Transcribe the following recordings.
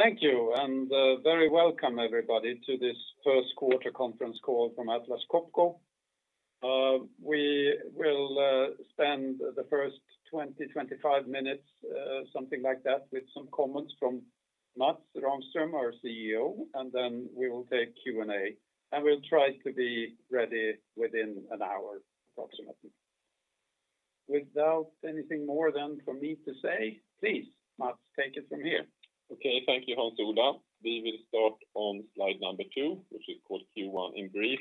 Thank you, very welcome everybody to this first quarter conference call from Atlas Copco. We will spend the first 20, 25 minutes, something like that, with some comments from Mats Rahmström, our CEO, and then we will take Q&A. We'll try to be ready within an hour, approximately. Without anything more then from me to say, please, Mats, take it from here. Okay. Thank you, Hans Ola. We will start on slide number two, which is called Q1 in brief.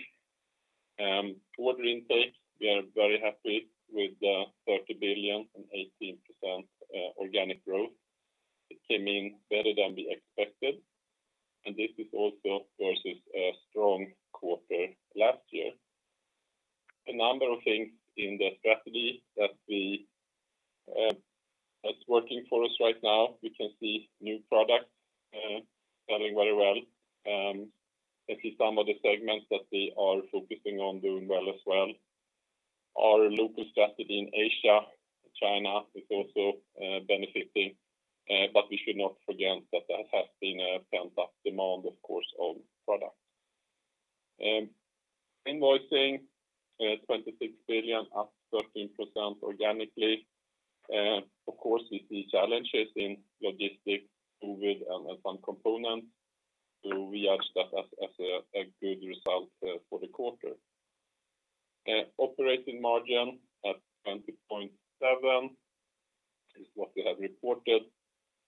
Order intake, we are very happy with the 30 billion and 18% organic growth. It came in better than we expected, and this is also versus a strong quarter last year. A number of things in the strategy that's working for us right now. We can see new products selling very well. I see some of the segments that we are focusing on doing well as well. Our local strategy in Asia, China is also benefiting. We should not forget that there has been a pent-up demand, of course, on products. Invoicing 26 billion, up 13% organically. Of course, we see challenges in logistics, COVID, and some components. We urge that as a good result for the quarter. Operating margin at 20.7% is what we have reported,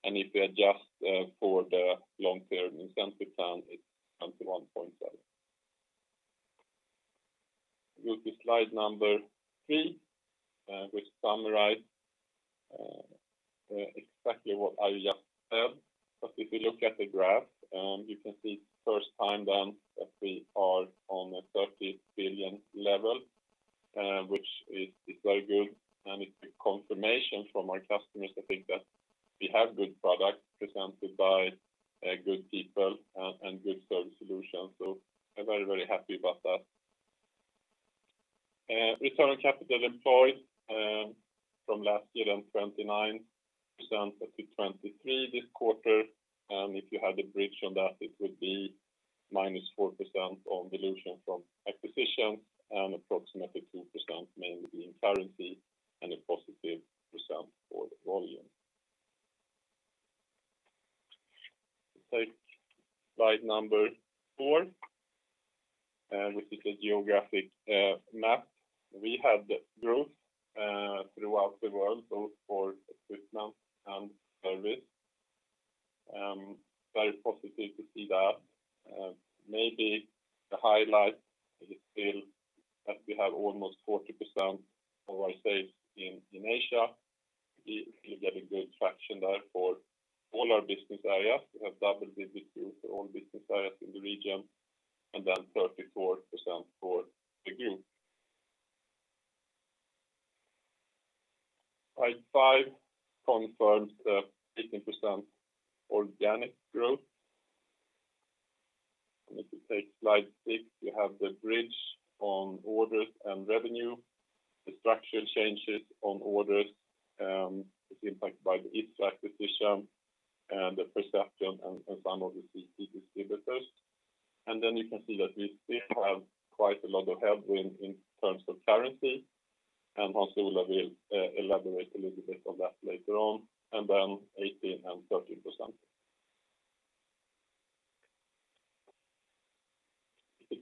and if we adjust for the long-term incentive plan, it's 21.7%. Go to slide number, which summarize exactly what I just said. If you look at the graph, you can see first time then that we are on a 30 billion level, which is very good, and it's a confirmation from our customers, I think that we have good products presented by good people and good service solutions. I'm very, very happy about that. Return on capital employed from last year then, 29% up to 23% this quarter. If you had a bridge on that, it would be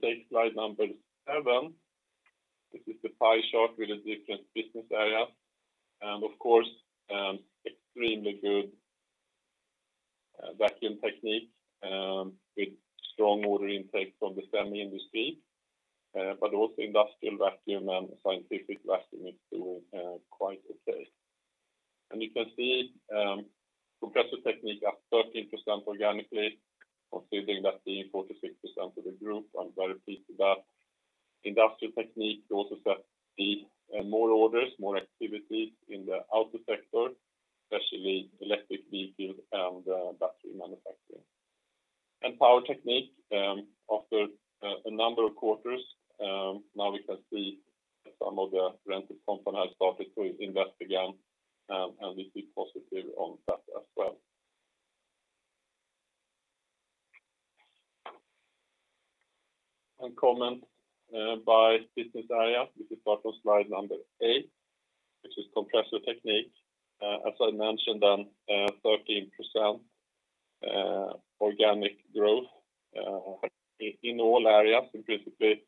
If we take slide seven, this is the pie chart with the different business areas. Of course, extremely good Vacuum Technique with strong order intake from the semi industry, but also Industrial Vacuum and Scientific Vacuum is doing quite okay. You can see Compressor Technique at 13% organically, considering that being 46% of the group, I'm very pleased with that. Industrial Technique also see more orders, more activities in the auto sector, especially electric vehicles and battery manufacturing. Power Technique, after a number of quarters, now we can see some of the rented company has started to invest again, and we see positive on that as well. One comment by business area, we can start on slide eight, which is Compressor Technique. As I mentioned on 13% organic growth in all areas, basically.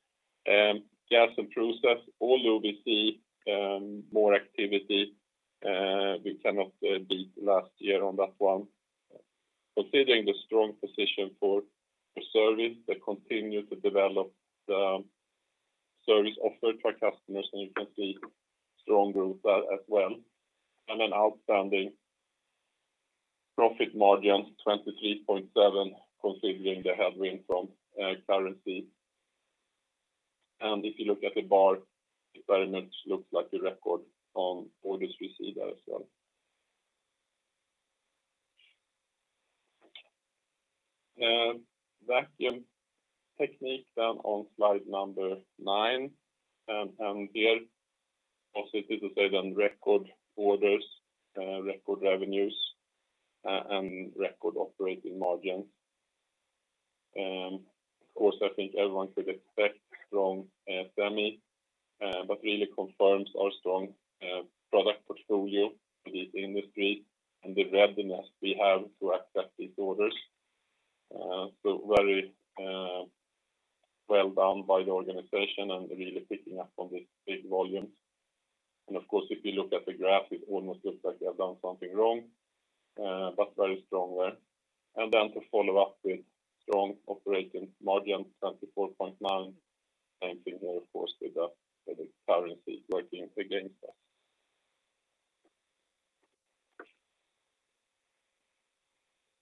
Gas and Process, although we see more activity, we cannot beat last year on that one. Considering the strong position for service that continue to develop the service offered for customers, and you can see strong growth there as well. An outstanding profit margin, 23.7%, considering the headwind from currency. If you look at the bar, it very much looks like a record on orders received as well. Vacuum Technique on slide number nine. Here also it is to say record orders, record revenues, and record operating margins. Of course, I think everyone could expect strong semi, but really confirms our strong product portfolio for this industry and the readiness we have to accept these orders. Very well done by the organization and really picking up on these big volumes. Of course, if you look at the graph, it almost looks like we have done something wrong, but very strong there. To follow up with strong operating margin, 24.9%. Same thing here, of course, with the currency working against us.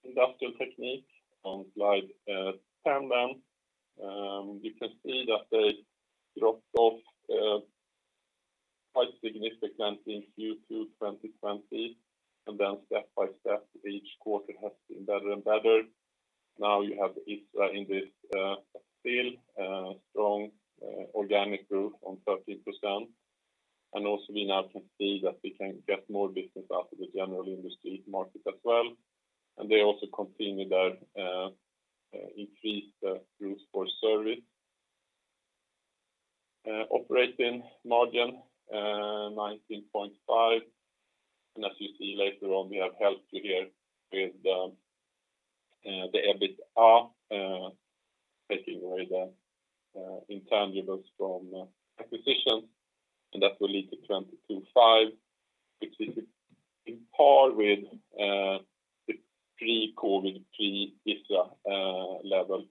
Industrial Technique on slide. You can see that they dropped off quite significantly in Q2 2020, step by step, each quarter has been better and better. You have ISRA in this field, strong organic growth on 13%. We now can see that we can get more business out of the general industry market as well. They also continue their increased growth for service. Operating margin, 19.5%. As you see later on, we have helped you here with the EBITDA taking away the intangibles from acquisition, that will lead to 22.5%, which is in par with the pre-COVID, pre-ISRA level.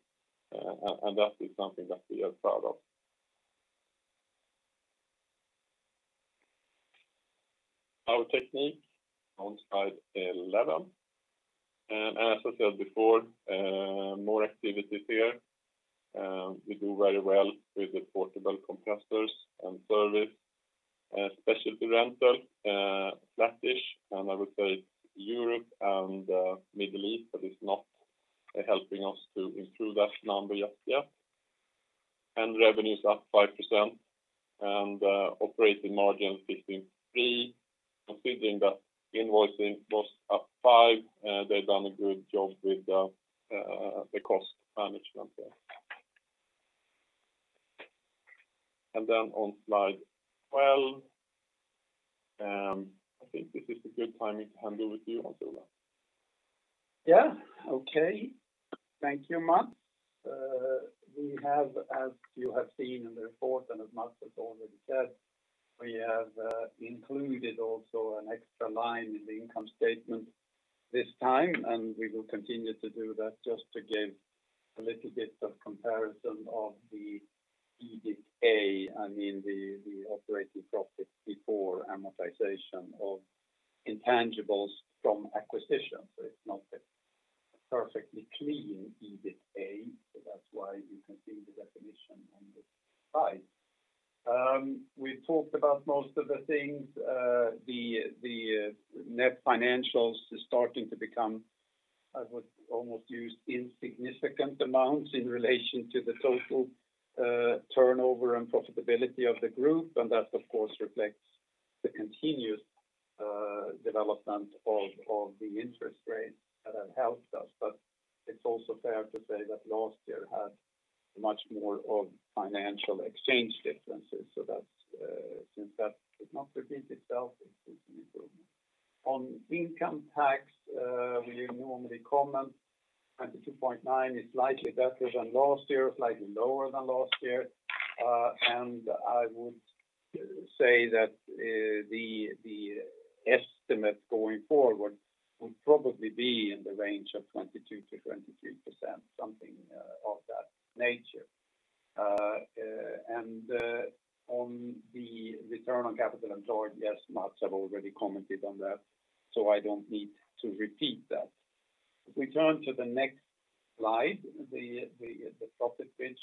That is something that we are proud of. Power Technique on slide 11. As I said before, more activities here. We do very well with the portable compressors and service. Specialty Rental, flattish, and I would say Europe and Middle East that is not helping us to improve that number just yet. Revenue is up 5%, and operating margin 15.3%, considering that invoicing was up 5%, they've done a good job with the cost management there. On slide 12, I think this is a good timing to hand over to you, Hans Ola. Thank you, Mats. You have seen in the report and Mats has already said, we have included also an extra line in the income statement this time, we will continue to do that just to give a little bit of comparison of the EBITA, I mean, the operating profit before amortization of intangibles from acquisition. It's not a perfectly clean EBITA, that's why you can see the definition on the side. We talked about most of the things. The net financials is starting to become, I would almost use insignificant amounts in relation to the total turnover and profitability of the group, that, of course, reflects the continuous development of the interest rate that helped us. It's also fair to say that last year had much more of financial exchange differences. Since that did not repeat itself, it's an improvement. On income tax, we normally comment, 22.9% is slightly better than last year, slightly lower than last year. I would say that the estimate going forward will probably be in the range of 22%-23%, something of that nature. On the return on capital employed, yes, Mats have already commented on that, so I don't need to repeat that. If we turn to the next slide, the profit bridge.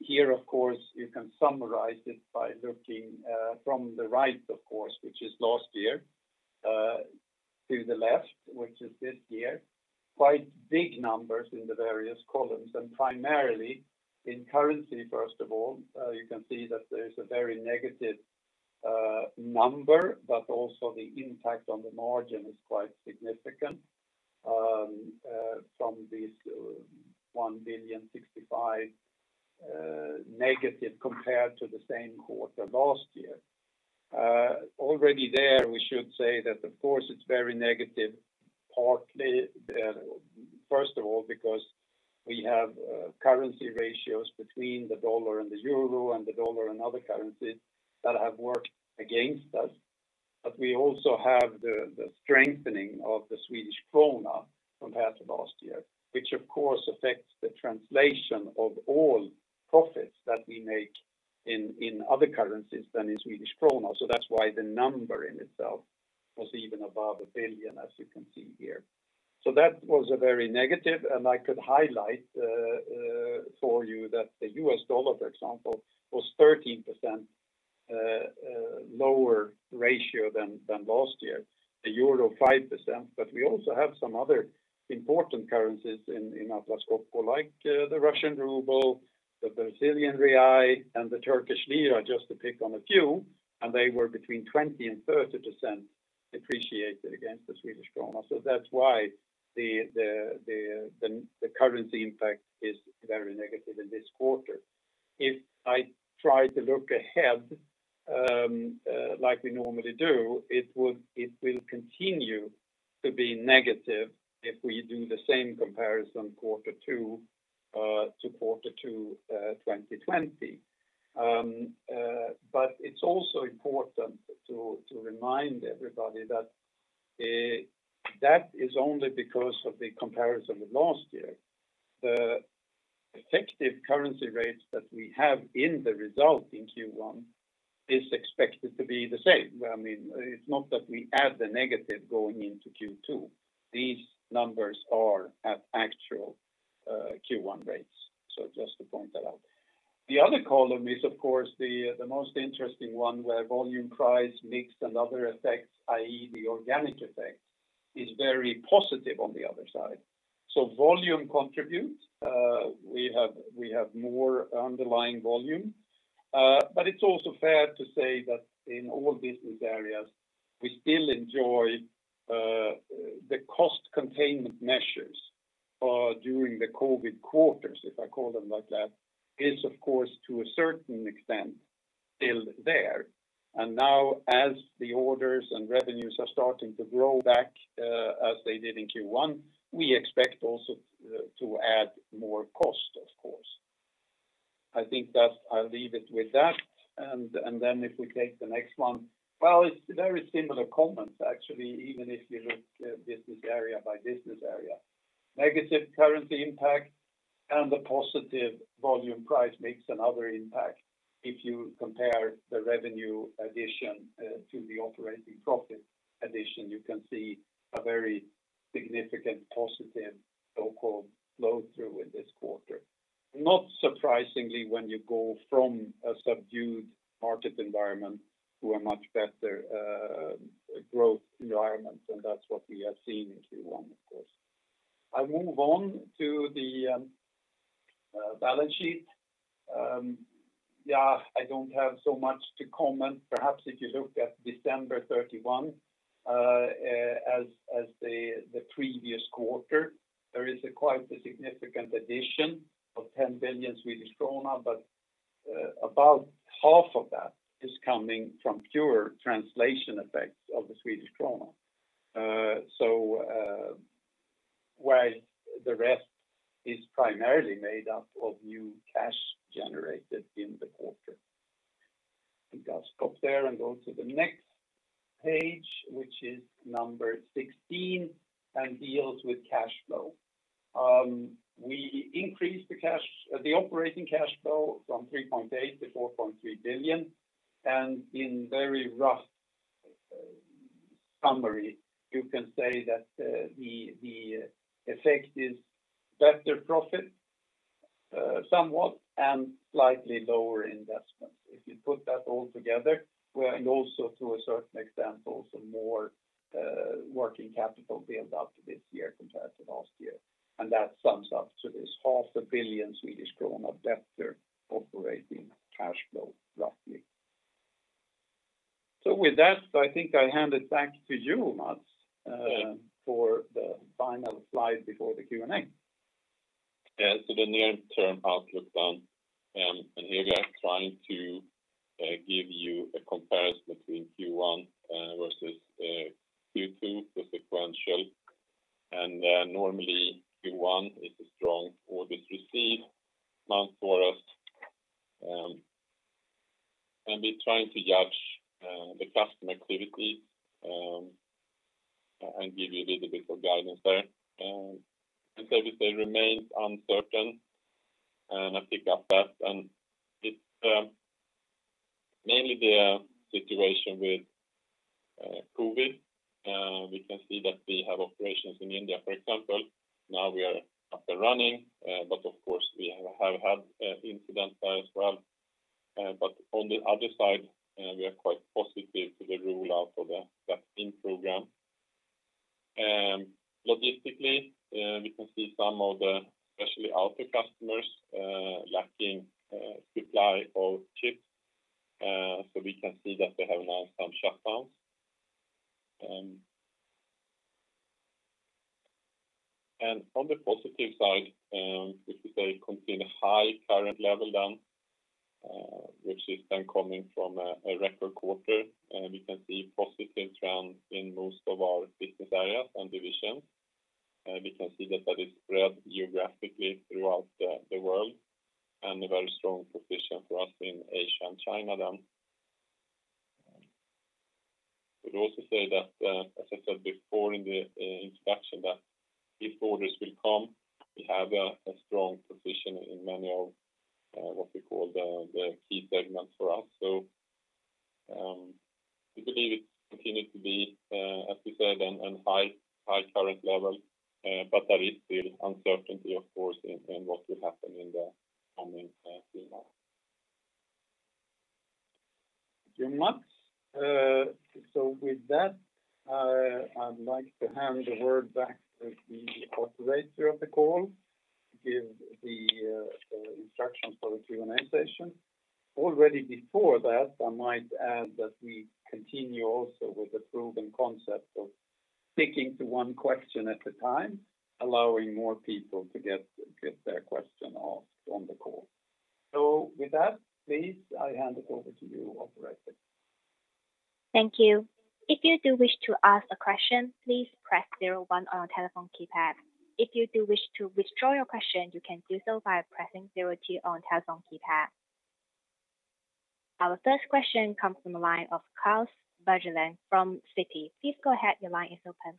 Here, of course, you can summarize it by looking from the right, of course, which is last year, to the left, which is this year. Quite big numbers in the various columns, and primarily in currency, first of all. You can see that there's a very negative number, but also the impact on the margin is quite significant from this -1.65 Billion compared to the same quarter last year. Already there, we should say that, of course, it's very negative, first of all, because we have currency ratios between the U.S. dollar and the euro and the U.S. dollar and other currencies that have worked against us. We also have the strengthening of the Swedish krona compared to last year, which of course, affects the translation of all profits that we make in other currencies than in Swedish krona. That's why the number in itself was even above a billion, as you can see here. That was a very negative, and I could highlight for you that the U.S. dollar, for example, was 13% lower ratio than last year. The euro 5%. We also have some other important currencies in Atlas Copco, like the Russian ruble, the Brazilian real, and the Turkish lira, just to pick on a few, and they were between 20%-30% appreciated against the Swedish krona. That is why the currency impact is very negative in this quarter. If I try to look ahead like we normally do, it will continue to be negative if we do the same comparison Q2 to Q2 2020. It is also important to remind everybody that that is only because of the comparison with last year. The effective currency rates that we have in the result in Q1 is expected to be the same. It is not that we add the negative going into Q2. These numbers are at actual Q1 rates. Just to point that out. The other column is, of course, the most interesting one, where volume price, mix, and other effects, i.e. the organic effect, is very positive on the other side. Volume contributes. We have more underlying volume. It's also fair to say that in all business areas, we still enjoy the cost containment measures during the COVID quarters, if I call them like that, is, of course, to a certain extent, still there. Now, as the orders and revenues are starting to grow back as they did in Q1, we expect also to add more cost, of course. I think I'll leave it with that, and then if we take the next one. Well, it's very similar comments, actually, even if you look business area by business area. Negative currency impact and the positive volume price makes another impact. If you compare the revenue addition to the operating profit addition, you can see a very significant positive so-called flow-through in this quarter. Not surprisingly, when you go from a subdued market environment to a much better growth environment, that's what we have seen in Q1, of course. I move on to the balance sheet. I do not have so much to comment. Perhaps if you look at December 31 as the previous quarter, there is quite a significant addition of 10 billion Swedish krona, but about half of that is coming from pure translation effects of the Swedish krona. While the rest is primarily made up of new cash generated in the quarter. I think I will stop there and go to the next page, which is number 16 and deals with cash flow. We increased the operating cash flow from 3.8 billion to 4.3 billion. In very rough summary, you can say that the effect is better profit somewhat and slightly lower investment. If you put that all together, and also to a certain extent, also more working capital build up this year compared to last year. That sums up to this 500,000,000 Swedish kronor better operating cash flow, roughly. With that, I think I hand it back to you, Mats, for the final slide before the Q&A. The near-term outlook. Here we are trying to give you a comparison between Q1 versus Q2 for sequential. Normally, Q1 is a strong orders received month for us. We're trying to judge the customer activity and give you a little bit of guidance there. I'd say we remain uncertain, and I pick up that. It's mainly the situation with COVID. We can see that we have operations in India, for example. Now we are up and running, but of course, we have had incidents there as well. On the other side, we are quite positive to the rollout of the vaccine program. Logistically, we can see some of the, especially auto customers, lacking supply of chips. We can see that they have now some shutdowns. On the positive side, we could say continue high current level down, which is then coming from a record quarter. We can see positive trends in most of our business areas and divisions. We can see that is spread geographically throughout the world, and a very strong position for us in Asia and China then. We'd also say that, as I said before in the introduction, that if orders will come, we have a strong position in many of what we call the key segments for us. We believe it continues to be, as we said, on high current level, but there is still uncertainty, of course, in what will happen in the. Thank you, Mats. With that, I'd like to hand the word back to the operator of the call to give the instructions for the Q&A session. Already before that, I might add that we continue also with the proven concept of sticking to one question at a time, allowing more people to get their question asked on the call. With that, please, I hand it over to you, operator. Thank you. If you do wish to ask a question, please press zero one on your telephone keypad. If you do wish to withdraw your question, you can do so by pressing zero two on your telephone keypad. Our first question comes from the line of Klas Bergelind from Citi. Please go ahead. Your line is open.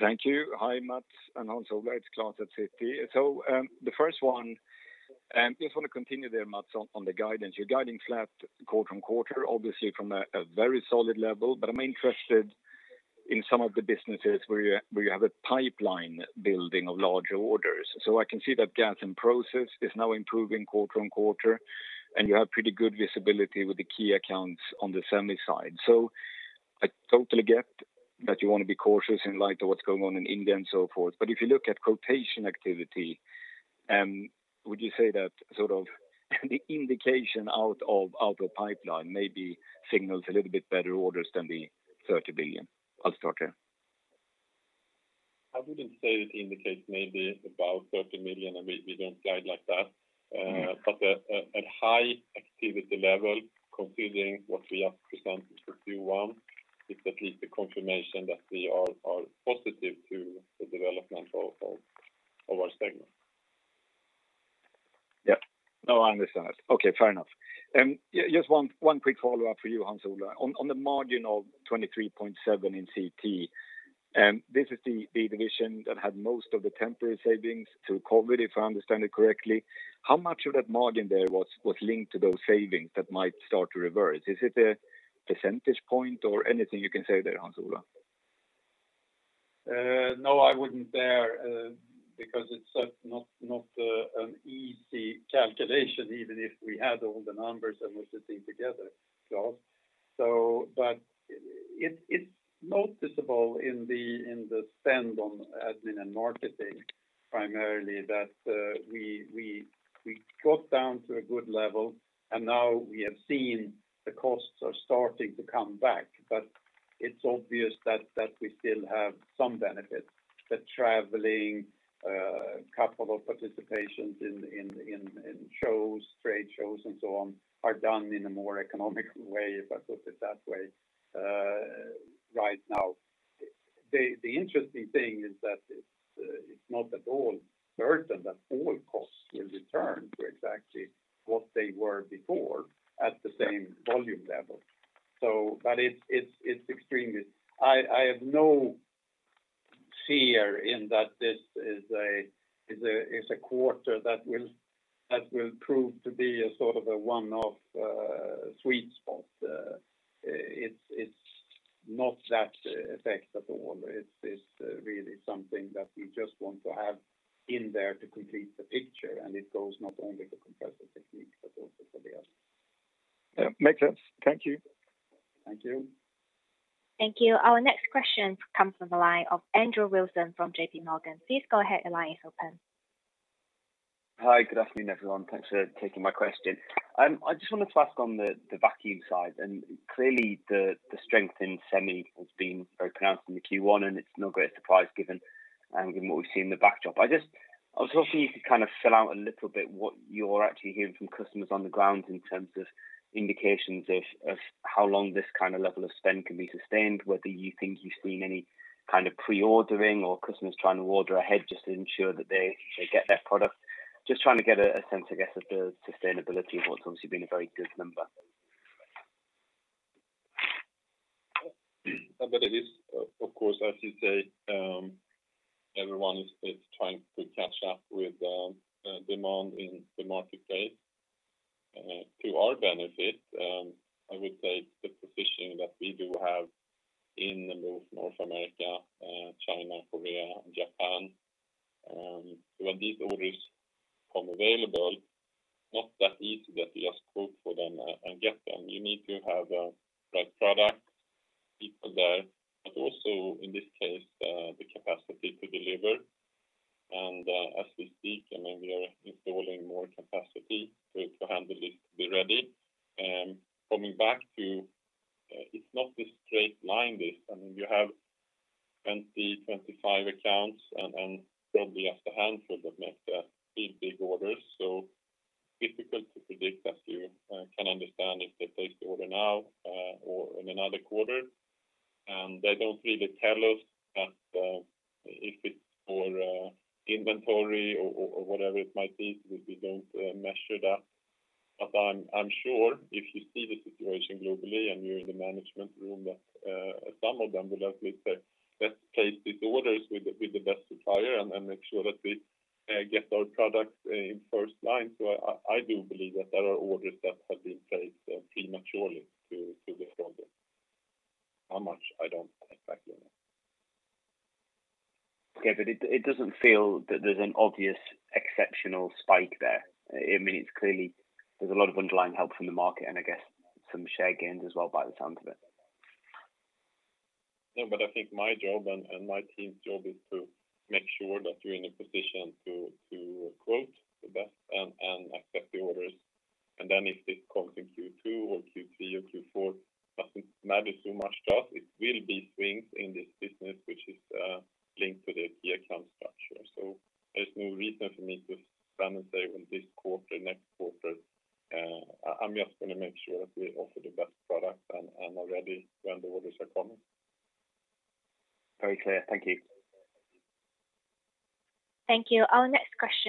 Thank you. Hi, Mats and Hans Ola. It's Klas at Citi. The first one, just want to continue there, Mats, on the guidance. You're guiding flat quarter-on-quarter, obviously from a very solid level, but I'm interested in some of the businesses where you have a pipeline building of larger orders. I can see that Gas and Process is now improving quarter-on-quarter, and you have pretty good visibility with the key accounts on the semi side. I totally get that you want to be cautious in light of what's going on in India and so forth. If you look at quotation activity, would you say that the indication out of the pipeline maybe signals a little bit better orders than the 30 billion? I'll start there. I wouldn't say it indicates maybe about 30 million, and we don't guide like that. A high activity level considering what we have presented for Q1 is at least a confirmation that we are positive to the development of our segment. Yeah. No, I understand that. Okay, fair enough. Just one quick follow-up for you, Hans Ola. On the margin of 23.7% in CT, this is the division that had most of the temporary savings through COVID, if I understand it correctly. How much of that margin there was linked to those savings that might start to reverse? Is it a percentage point or anything you can say there, Hans Ola? No, I wouldn't there, because it's not an easy calculation, even if we had all the numbers and were sitting together, Klas. It's noticeable in the spend on admin and marketing, primarily that we got down to a good level, and now we have seen the costs are starting to come back. It's obvious that we still have some benefit. The traveling, couple of participations in trade shows and so on, are done in a more economic way, if I put it that way right now. The interesting thing is that it's not at all certain that all costs will return to exactly what they were before at the same volume level. I have no fear in that this is a quarter that will prove to be a sort of a one-off sweet spot. It's not that effect at all. It's really something that we just want to have in there to complete the picture, and it goes not only for Compressor Technique, but also for the others. Yeah. Makes sense. Thank you. Thank you. Thank you. Our next question comes from the line of Andrew Wilson from JPMorgan. Hi. Good afternoon, everyone. Thanks for taking my question. I just wanted to ask on the Vacuum side. Clearly, the strength in semi has been very pronounced in the Q1. It is no great surprise given what we have seen in the backdrop. I was hoping you could kind of fill out a little bit what you are actually hearing from customers on the ground in terms of indications of how long this kind of level of spend can be sustained, whether you think you have seen any kind of pre-ordering or customers trying to order ahead just to ensure that they get their product. Trying to get a sense, I guess, of the sustainability of what is obviously been a very good number. of course, as you say, everyone is trying to catch up with demand in the marketplace to our benefit. I would say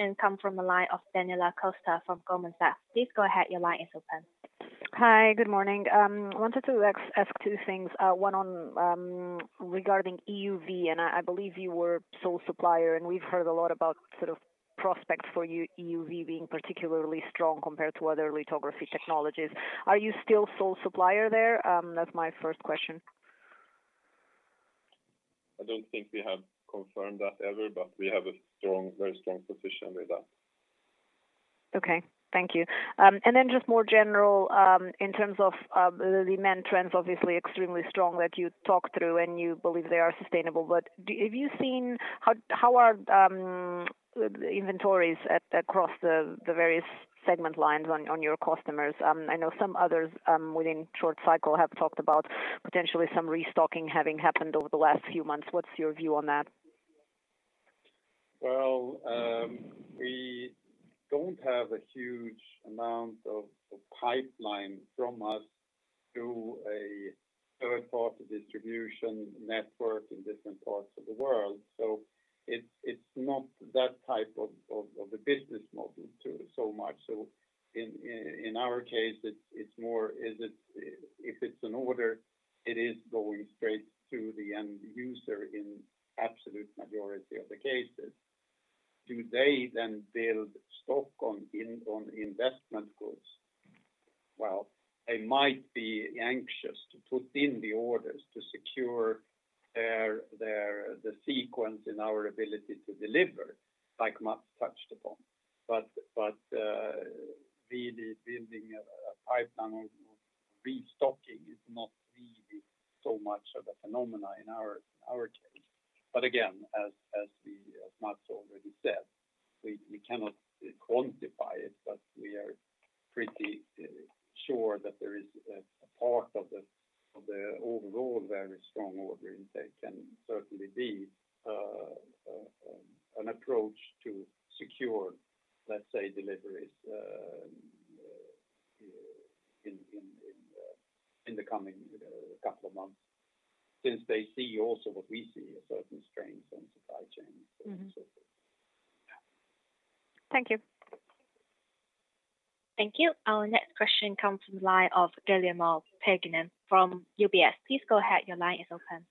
It will be swings in this business, which is linked to the key account structure. There's no reason for me to stand and say, well, this quarter, next quarter. I'm just going to make sure that we offer the best product and are ready when the orders are coming. Very clear. Thank you. Thank you. Our next question come from the line of Daniela Costa from Goldman Sachs. Please go ahead. Hi. Good morning. I wanted to ask two things. One regarding EUV. I believe you were sole supplier and we've heard a lot about sort of prospects for EUV being particularly strong compared to other lithography technologies. Are you still sole supplier there? That is my first question. I don't think we have confirmed that ever, but we have a very strong position with that. Okay, thank you. Just more general, in terms of the demand trends, obviously, extremely strong that you talked through and you believe they are sustainable. Have you seen how are inventories across the various segment lines on your customers? I know some others within short cycle have talked about potentially some restocking having happened over the last few months. What's your view on that? Well, we don't have a huge amount of pipeline from us to a third party distribution network in different parts of the world. It's not that type of a business model so much. In our case, it's more if it's an order, it is going straight to the end user in absolute majority of the cases. Do they then build stock on investment goods? Well, they might be anxious to put in the orders to secure the sequence in our ability to deliver, like Mats touched upon. Really building a pipeline of restocking is not really so much of a phenomenon in our case. Again, as Mats already said, we cannot quantify it, but we are pretty sure that there is a part of the overall very strong order intake can certainly be an approach to secure, let's say, deliveries in the coming couple of months since they see also what we see, a certain strains on supply chains, et cetera. Thank you. Thank you. Our next question comes from the line of Guillermo Peigneux from UBS. Please go ahead. Your line is open.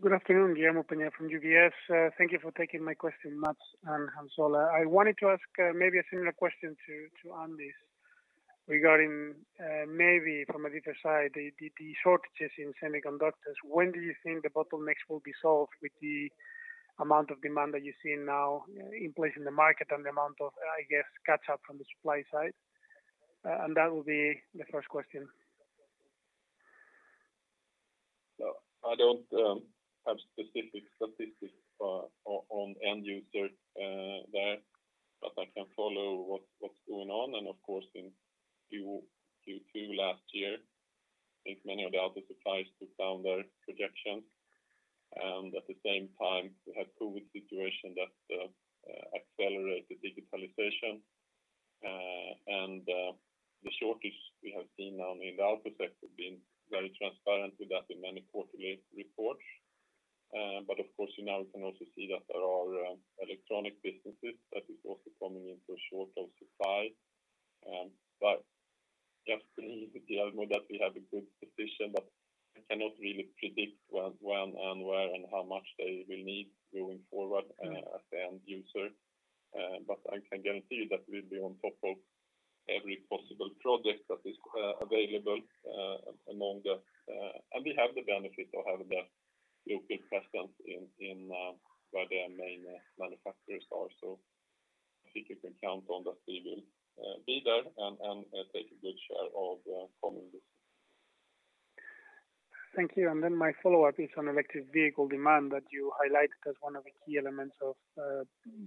Good afternoon, Guillermo Peigneux from UBS. Thank you for taking my question, Mats and Hans Ola. I wanted to ask maybe a similar question to Andy's regarding maybe from a different side, the shortages in semiconductors. When do you think the bottlenecks will be solved with the amount of demand that you're seeing now in place in the market and the amount of, I guess, catch up from the supply side? That will be the first question. I don't have specific statistics on end user there, but I can follow what's going on. Of course in Q2 last year, I think many of the other suppliers took down their projections and at the same time we had COVID situation that accelerated digitalization. The shortage we have seen now in the auto sector, been very transparent with that in many quarterly reports. Of course now we can also see that there are electronic businesses that is also coming into a short of supply. Just to ease with Guillermo that we have a good position, but I cannot really predict when and where and how much they will need going forward at the end user. I can guarantee you that we'll be on top of every possible project that is available. We have the benefit of having the geographic presence in where their main manufacturers are. I think you can count on that we will be there and take a good share of the. Thank you. My follow-up is on electric vehicle demand that you highlighted as one of the key elements of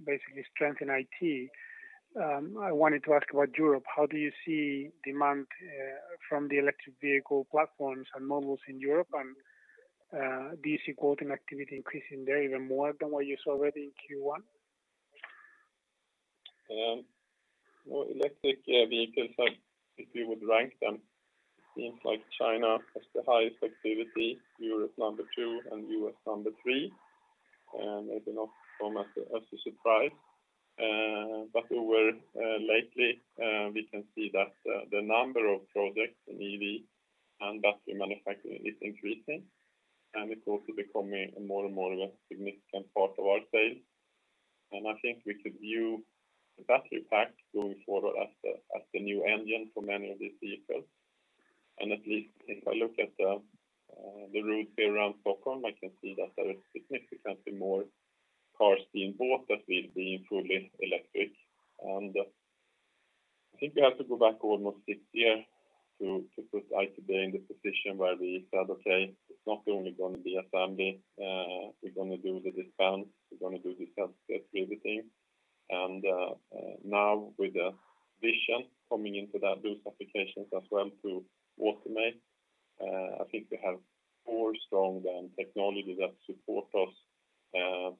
basically strength in IT. I wanted to ask about Europe, how do you see demand from the electric vehicle platforms and models in Europe and do you see quoting activity increasing there even more than what you saw already in Q1? Well, electric vehicles are, if you would rank them, it seems like China has the highest activity, Europe number two, and U.S. number three. It's not come as a surprise. Over lately, we can see that the number of projects in EV and battery manufacturing is increasing. It's also becoming more and more of a significant part of our sales. I think we could view the battery pack going forward as the new engine for many of these vehicles. At least if I look at the route here around Stockholm, I can see that there is significantly more cars being bought that will be fully electric. I think we have to go back almost six years to put [ICB] in the position where we said, "Okay, it's not only going to be assembly, we're going to do the dispense, we're going to do the everything." Now with the vision coming into that, those applications as well to automate, I think we have four strong technology that support us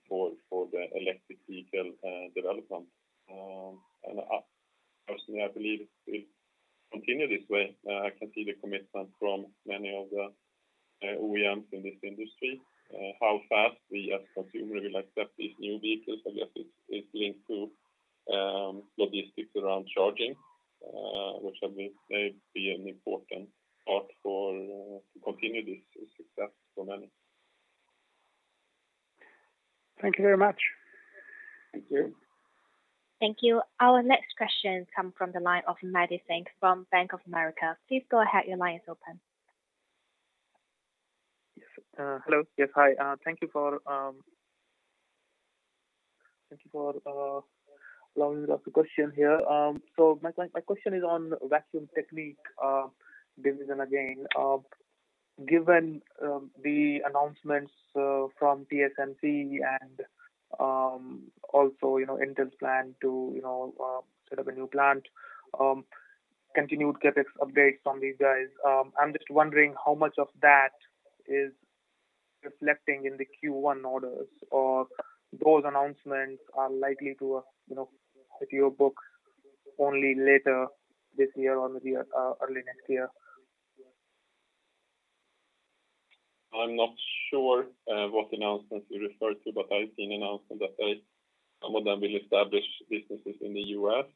for the electric vehicle development. Personally, I believe it will continue this way. I can see the commitment from many of the OEMs in this industry. How fast we as consumers will accept these new vehicles, I guess it's linked to logistics around charging, which may be an important part to continue this success for many. Thank you very much. Thank you. Thank you. Our next question comes from the line of Maddy Singh from Bank of America. Please go ahead. Your line is open. Yes. Hello. Yes, hi. Thank you for allowing me to ask a question here. My question is on Vacuum Technique division again. Given the announcements from TSMC and also Intel's plan to set up a new plant, continued CapEx updates from these guys. I'm just wondering how much of that is reflecting in the Q1 orders or those announcements are likely to hit your books only later this year or maybe early next year? I'm not sure what announcements you refer to, but I've seen announcements that some of them will establish businesses in the U.S.,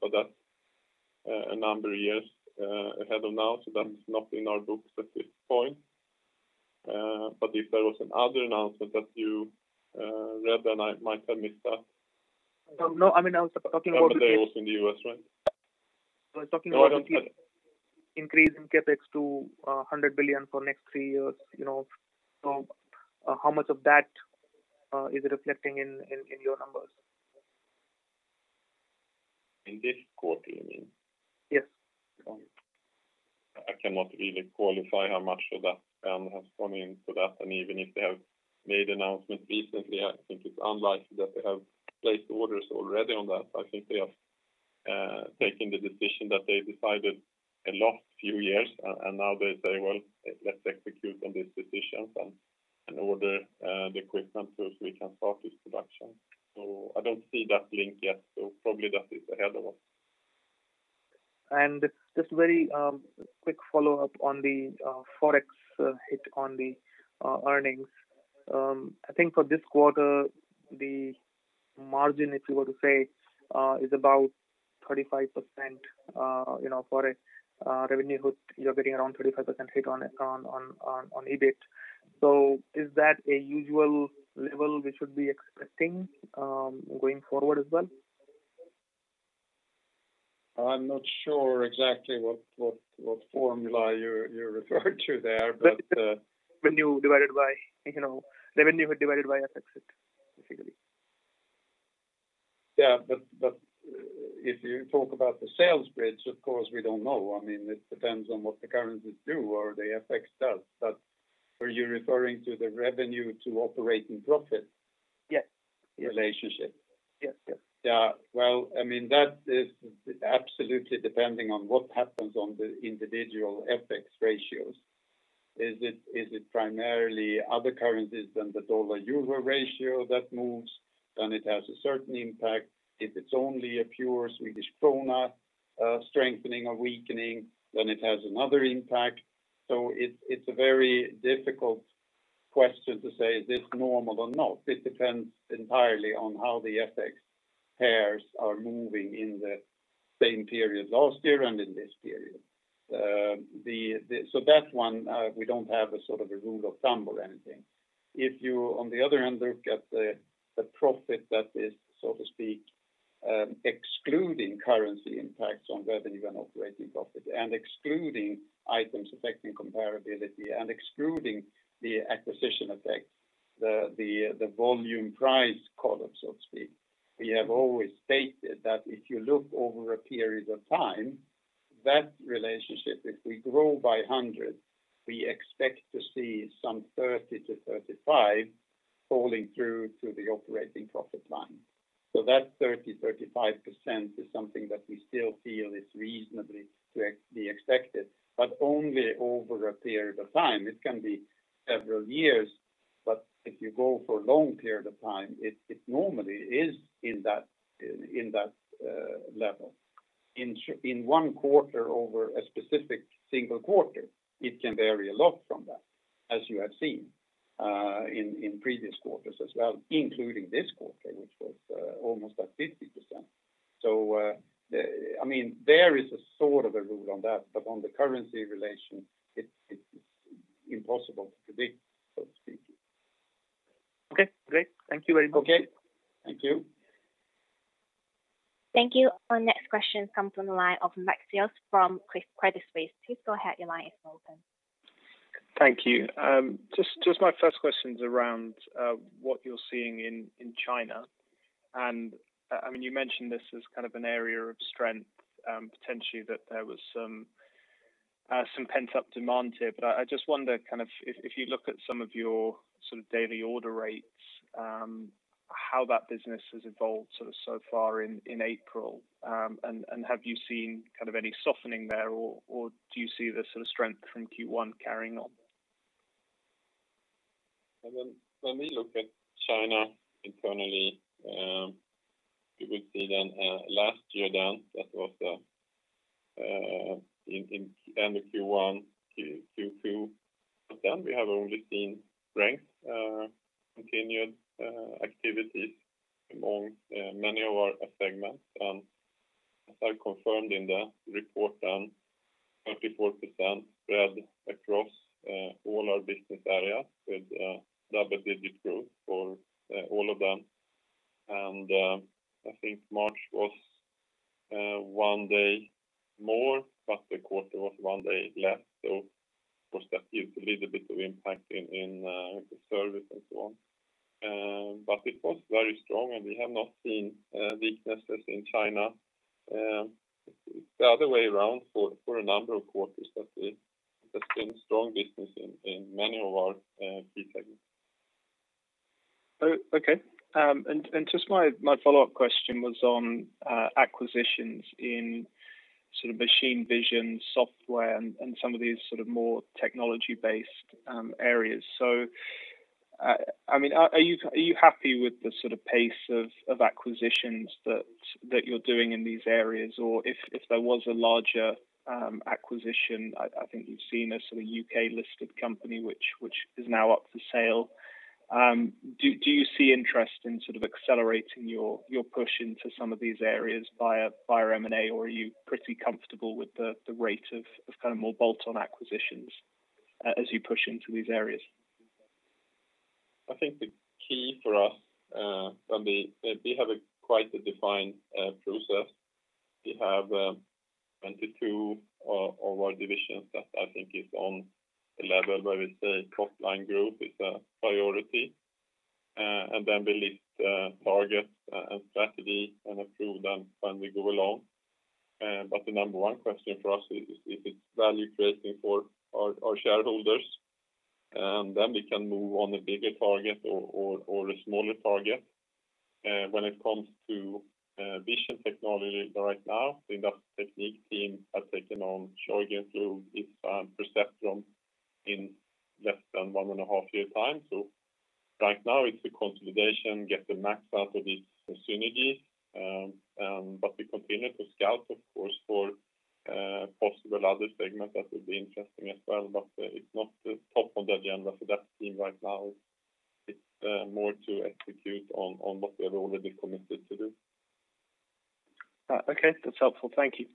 but that's a number of years ahead of now, so that's not in our books at this point. If there was another announcement that you read, then I might have missed that. No, I was talking about. That was also in the U.S., right? I was talking about the- No, I don't think- increase in CapEx to 100 billion for next three years. How much of that is reflecting in your numbers? In this quarter, you mean? Yes. I cannot really qualify how much of that has gone into that. Even if they have made announcements recently, I think it's unlikely that they have placed orders already on that. I think they have taken the decision that they decided in the last few years, and now they say, "Well, let's execute on these decisions and order the equipment so we can start this production." I don't see that link yet, so probably that is ahead of us. Just very quick follow-up on the Forex hit on the earnings. I think for this quarter, the margin, if you were to say, is about 35%, Forex revenue, you're getting around 35% hit on EBIT. Is that a usual level we should be expecting going forward as well? I'm not sure exactly what formula you're referring to there. Revenue divided by. Yeah, if you talk about the sales bridge, of course, we don't know. It depends on what the currencies do or the FX does. Were you referring to the revenue to operating profit? Yes. Relationship? Yes. Yeah. Well, that is absolutely depending on what happens on the individual FX ratios. Is it primarily other currencies than the dollar-euro ratio that moves? It has a certain impact. If it's only a pure Swedish krona strengthening or weakening, then it has another impact. It's a very difficult question to say, is this normal or not? It depends entirely on how the FX pairs are moving in the same period last year and in this period. That one, we don't have a sort of a rule of thumb or anything. If you, on the other hand, look at the profit that is, so to speak, excluding currency impacts on revenue and operating profit, and excluding items affecting comparability and excluding the acquisition effects, the volume price call-up, so to speak. We have always stated that if you look over a period of time, that relationship, if we grow by 100, we expect to see some 30%-35% falling through to the operating profit line. That 30%, 35% is something that we still feel is reasonably to be expected, but only over a period of time. It can be several years, but if you go for a long period of time, it normally is in that level. In one quarter over a specific single quarter, it can vary a lot from that, as you have seen in previous quarters as well, including this quarter, which was almost at 50%. So, there is a sort of a rule on that, but on the currency relation, it's impossible to predict, so to speak. Okay, great. Thank you very much. Okay. Thank you. Thank you. Our next question comes from the line of Max Yates from Credit Suisse. Please go ahead. Your line is open. Thank you. Just my first question's around what you're seeing in China. You mentioned this as kind of an area of strength, potentially, that there was some pent-up demand here, but I just wonder if you look at some of your sort of daily order rates, how that business has evolved so far in April. Have you seen any softening there, or do you see the sort of strength from Q1 carrying on? When we look at China internally, we would see then last year down, that was in end of Q1, Q2. Then we have only seen strength, continued activities among many of our segments. As I confirmed in the report then, 34% spread across all our business areas with double-digit growth for all of them. I think March was one day more, but the quarter was one day less. Of course, that gives a little bit of impact in the service and so on. It was very strong and we have not seen weaknesses in China. It's the other way around for a number of quarters that there's been strong business in many of our key segments. Okay. Just my follow-up question was on acquisitions in sort of machine vision software and some of these sort of more technology-based areas. Are you happy with the sort of pace of acquisitions that you're doing in these areas? If there was a larger acquisition, I think you've seen a sort of U.K.-listed company which is now up for sale. Do you see interest in sort of accelerating your push into some of these areas via M&A, or are you pretty comfortable with the rate of kind of more bolt-on acquisitions as you push into these areas? I think the key for us, we have quite a defined process. We have 22 of our divisions that I think is on the level where we say top-line growth is a priority. We list targets and strategy and approve them when we go along. The number one question for us is it value creating for our shareholders? We can move on a bigger target or a smaller target. When it comes to vision technology right now, the Industrial Technique team has taken on through its Perceptron in less than one and a half year time. Right now it's the consolidation, get the max out of its synergy. We continue to scout, of course, for possible other segments that would be interesting as well, but it's not top of the agenda for that team right now. It's more to execute on what we have already committed to do. Okay, that's helpful. Thank you.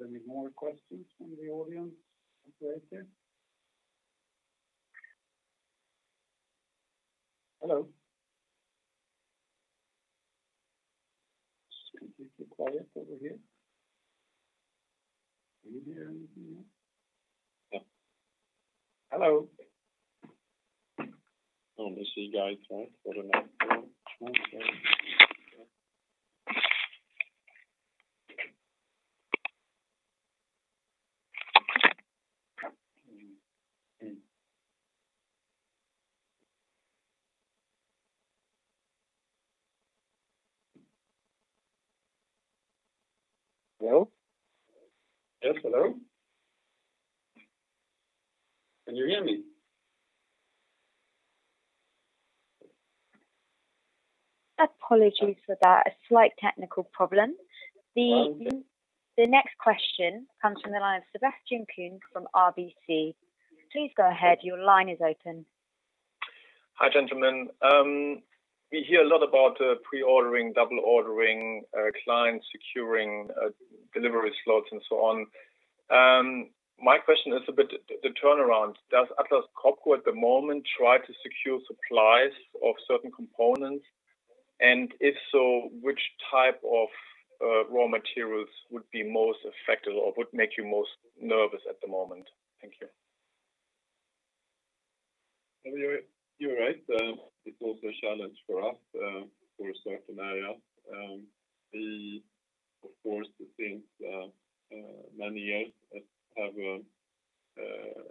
Are there any more questions from the audience operator? Hello? It's completely quiet over here. Can you hear anything yet? Hello? Hello? Yes, hello. Can you hear me? Apologies for that, a slight technical problem. Oh, okay. The next question comes from the line of Sebastian Kuenne from RBC. Please go ahead, your line is open. Hi, gentlemen. We hear a lot about pre-ordering, double ordering, clients securing delivery slots and so on. My question is a bit the turnaround. Does Atlas Copco at the moment try to secure supplies of certain components? If so, which type of raw materials would be most affected or would make you most nervous at the moment? Thank you. You're right. It's also a challenge for us for a certain area. We, of course, since many years have a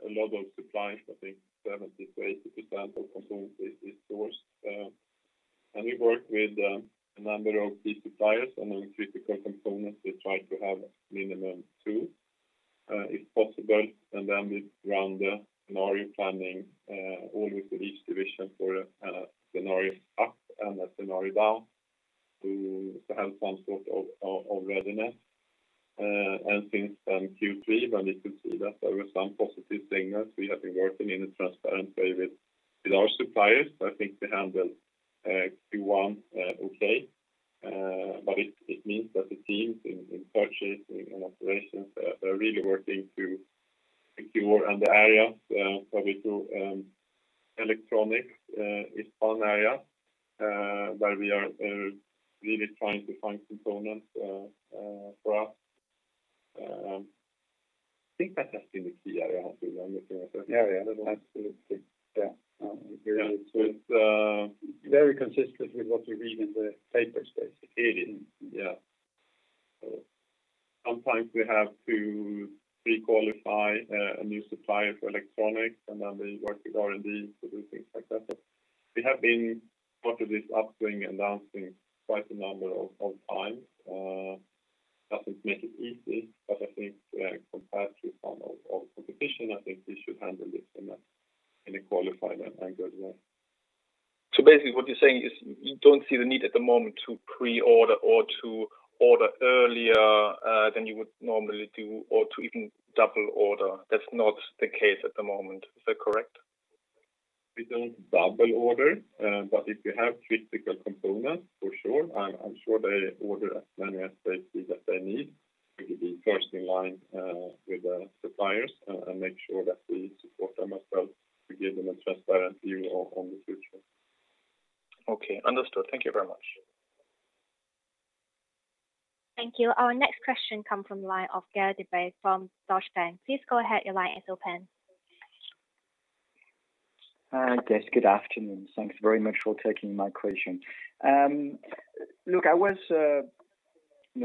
lot of suppliers, I think 70%-80% of components is sourced. We work with a number of key suppliers and on critical components, we try to have minimum two, if possible, then we run the scenario planning always with each division for a scenario up and a scenario down to have some sort of readiness. Since then, Q3, when we could see that there were some positive signals, we have been working in a transparent way with our suppliers. I think they handled Q1 okay. It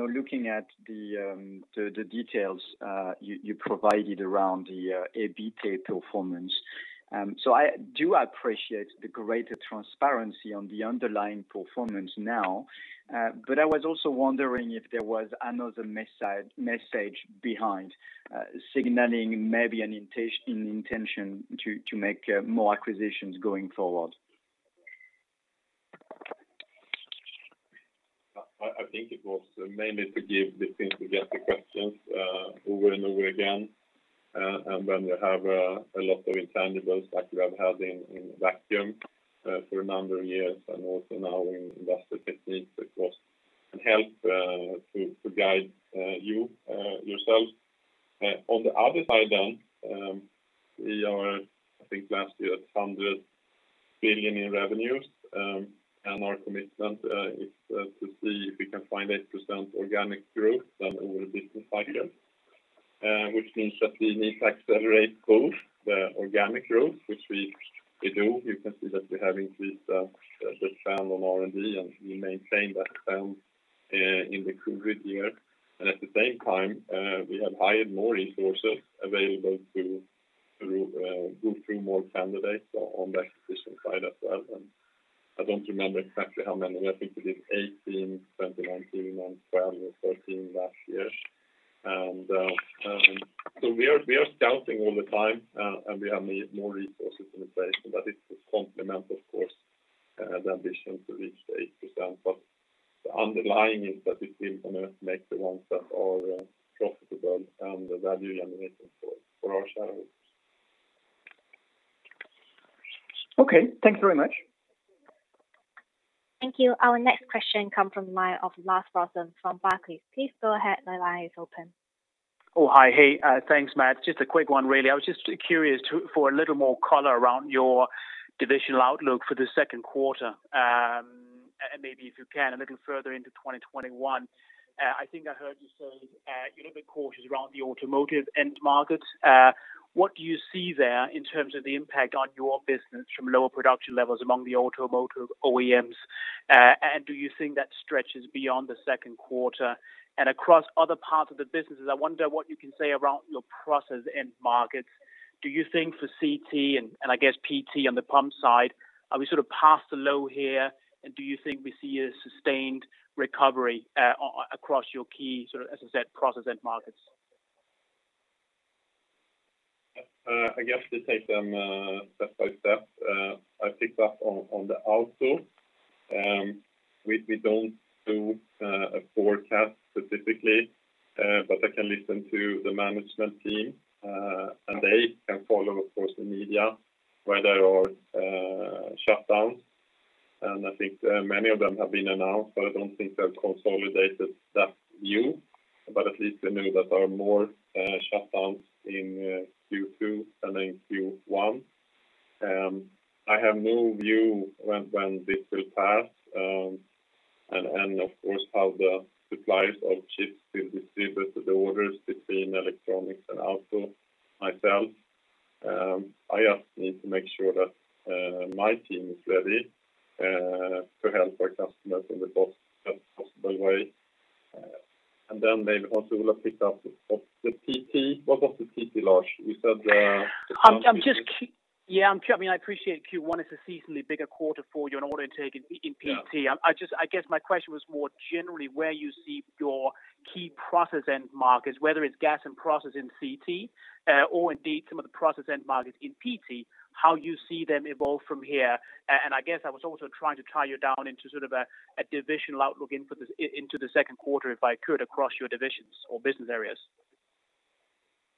looking at the details you provided around the EBITA performance. I do appreciate the greater transparency on the underlying performance now. I was also wondering if there was another message behind signaling maybe an intention to make more acquisitions going forward. I think it was mainly to give the things we get the questions over and over again. When we have a lot of intangibles like we have had in Vacuum Technique for a number of years, also now in Industrial Technique, of course, it help to guide you yourselves. On the other side, we are, I think last year, at 100 billion in revenues. Our commitment is to see if we can find 8% organic growth over a business cycle. Which means that we need to accelerate both the organic growth, which we do. You can see that we have increased the spend on R&D, and we maintain that spend in the COVID year. At the same time, we have hired more resources available to go through more candidates on the acquisition side as well. I don't remember exactly how many. I think it is 18, 2019, and 12 or 13 last year. We are scouting all the time, and we have more resources in place. It's a complement, of course, the ambition to reach the 8%. The underlying is that we still going to make the ones that are profitable and value generating for our shareholders. Okay. Thank you very much. Thank you. Our next question come from the line of Lars Brorson from Barclays. Please go ahead. The line is open. Hi. Thanks, Mats. Just a quick one, really. I was just curious for a little more color around your divisional outlook for the second quarter. Maybe if you can, a little further into 2021. I think I heard you say you're a bit cautious around the automotive end market. What do you see there in terms of the impact on your business from lower production levels among the automotive OEMs? Do you think that stretches beyond the second quarter? Across other parts of the businesses, I wonder what you can say around your process end markets. Do you think for CT and I guess PT on the pump side, are we sort of past the low here? Do you think we see a sustained recovery across your key sort of, as I said, process end markets? I guess to take them step by step. I pick up on the Auto. We don't do a forecast specifically, but I can listen to the management team, and they can follow, of course, the media where there are shutdowns, and I think many of them have been announced, but I don't think they've consolidated that view. At least we know that there are more shutdowns in Q2 than in Q1. I have no view when this will pass, and of course, how the suppliers of chips will distribute the orders between electronics and Auto myself. I just need to make sure that my team is ready to help our customers in the best possible way. Then maybe also I will pick up of the PT. I appreciate Q1 is a seasonally bigger quarter for your order intake in PT. Yeah. I guess my question was more generally where you see your key process end markets, whether it's Gas and Process in CT, or indeed some of the process end markets in PT, how you see them evolve from here. I guess I was also trying to tie you down into a divisional outlook into the second quarter, if I could, across your divisions or business areas.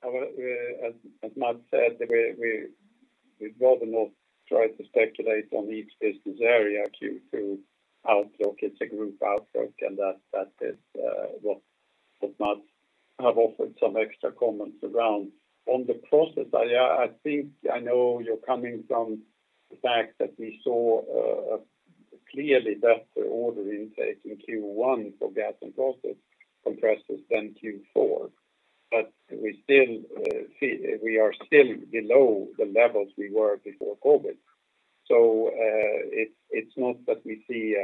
As Mats said, we'd rather not try to speculate on each business area Q2 outlook. It's a group outlook, and that is what Mats have offered some extra comments around. On the process side, I think I know you're coming from the fact that we saw a clearly better order intake in Q1 for gas and process compressors than Q4, but we are still below the levels we were before COVID. It's not that we see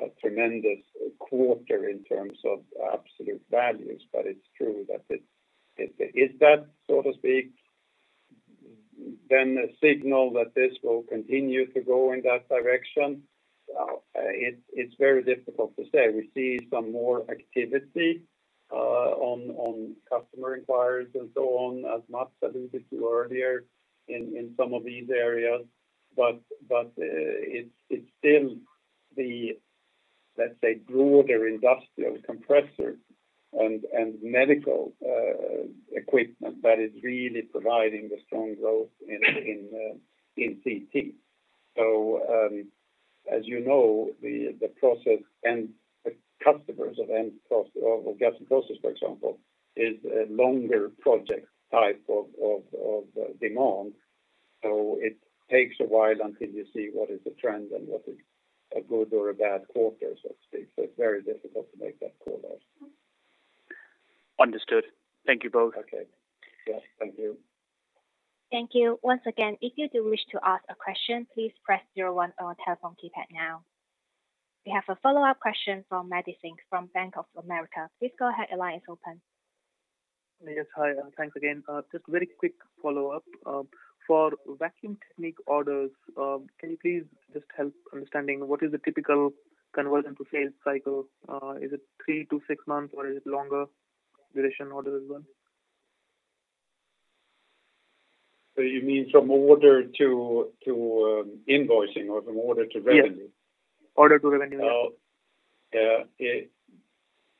a tremendous quarter in terms of absolute values, but it's true that it is that, so to speak, then a signal that this will continue to go in that direction. It's very difficult to say. We see some more activity on customer inquiries and so on, as Mats alluded to earlier in some of these areas. It's still the, let's say, broader industrial compressor and medical equipment that is really providing the strong growth in CT. As you know, the process and the customers of Gas and Process, for example, is a longer project type of demand. It takes a while until you see what is the trend and what is a good or a bad quarter, so to speak. It's very difficult to make that call. Understood. Thank you both. Okay. Yes. Thank you. We have a follow-up question from Maddy Singh from Bank of America. Please go ahead. Your line is open. Yes. Hi. Thanks again. Just very quick follow-up. For Vacuum Technique orders, can you please just help understanding what is the typical conversion to sales cycle? Is it three to six months or is it longer duration orders as well? You mean from order to invoicing or from order to revenue? Yes. Order to revenue.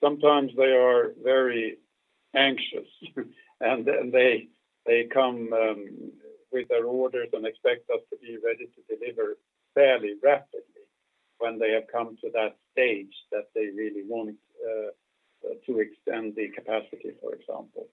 Sometimes they are very anxious, and they come with their orders and expect us to be ready to deliver fairly rapidly when they have come to that stage that they really want to extend the capacity, for example.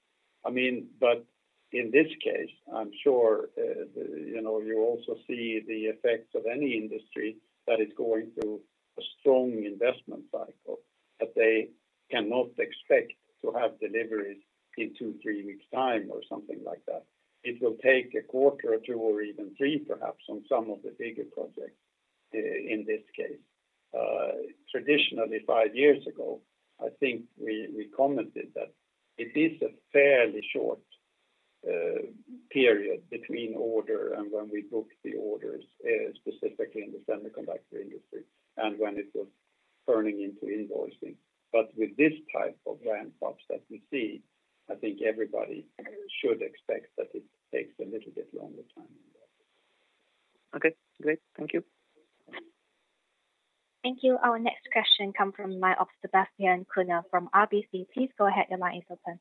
In this case, I'm sure you also see the effects of any industry that is going through a strong investment cycle, that they cannot expect to have deliveries in two, three weeks' time or something like that. It will take a quarter or two or even three, perhaps, on some of the bigger projects in this case. Traditionally, five years ago, I think we commented that it is a fairly short period between order and when we book the orders, specifically in the semiconductor industry and when it was turning into invoicing. With this type of ramp-ups that we see, I think everybody should expect that it takes a little bit longer time than that. Okay, great. Thank you. Thank you. Our next question come from the line of Sebastian Kuenne from RBC. Please go ahead. Your line is open.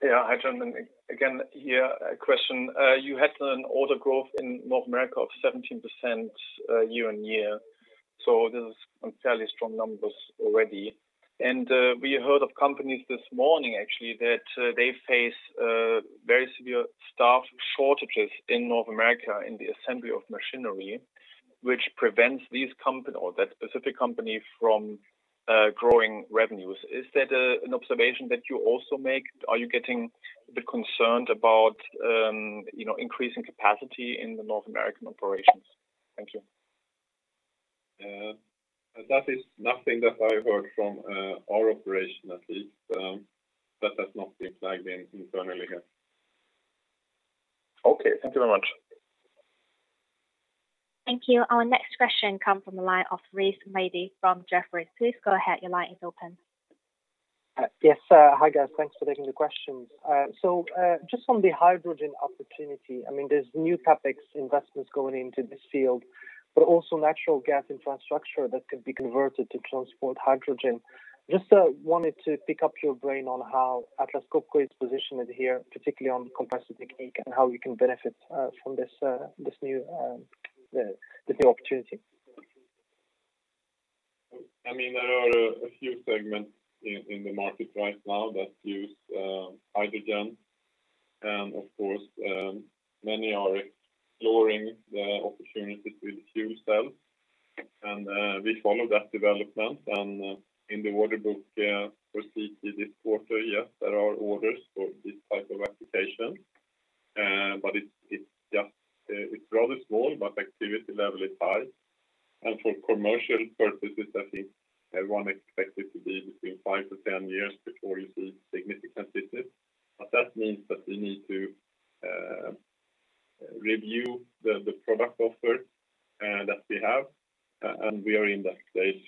Yeah. Hi, gentlemen. Again, here is a question. You had an order growth in North America of 17% year-on-year. This is fairly strong numbers already. We heard of companies this morning, actually, that they face very severe staff shortages in North America in the assembly of machinery, which prevents that specific company from growing revenues. Is that an observation that you also make? Are you getting a bit concerned about increasing capacity in the North American operations? Thank you. That is nothing that I heard from our operation at least. That has not been flagged internally here. Okay. Thank you very much. Thank you. Our next question come from the line of Rizk Maidi from Jefferies. Please go ahead. Your line is open. Yes. Hi, guys. Thanks for taking the questions. Just on the hydrogen opportunity, there's new CapEx investments going into this field, but also natural gas infrastructure that could be converted to transport hydrogen. Just wanted to pick up your brain on how Atlas Copco is positioned here, particularly on the Compressor Technique and how you can benefit from this new opportunity. There are a few segments in the market right now that use hydrogen, and of course, many are exploring the opportunities with fuel cells, and we follow that development. In the order book for CT this quarter, yes, there are orders for this type of application. It's rather small, but activity level is high. For commercial purposes, I think everyone expects it to be between 5-10 years before you see significant business. That means that we need to review the product offer that we have, and we are in that stage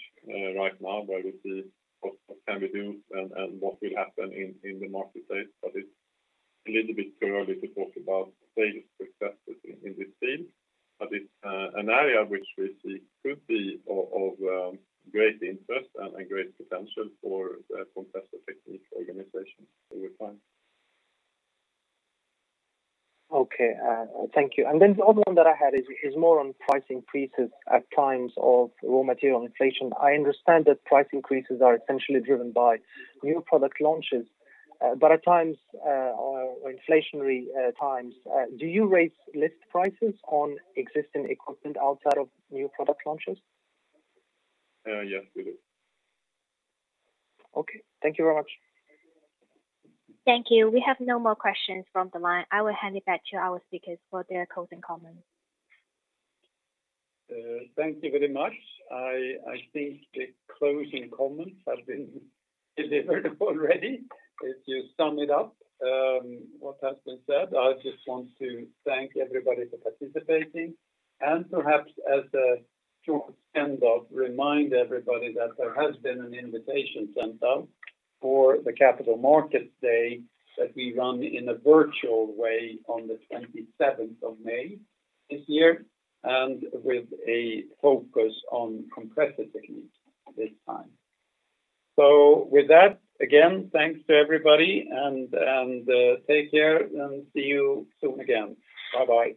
right now where we see what can we do and what will happen in the marketplace. It's a little bit too early to talk about sales successes in this field. It's an area which we see could be of great interest and great potential for the Compressor Technique organization over time. Okay. Thank you. The other one that I had is more on price increases at times of raw material inflation. I understand that price increases are essentially driven by new product launches. At inflationary times, do you raise list prices on existing equipment outside of new product launches? Yes, we do. Okay. Thank you very much. Thank you. We have no more questions from the line. I will hand it back to our speakers for their closing comments. Thank you very much. I think the closing comments have been delivered already. If you sum it up, what has been said, I just want to thank everybody for participating and perhaps as a short remind everybody that there has been an invitation sent out for the Capital Markets Day that we run in a virtual way on the 27th of May this year, with a focus on Compressor Technique this time. With that, again, thanks to everybody and take care and see you soon again. Bye-bye.